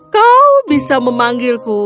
kau bisa memanggilku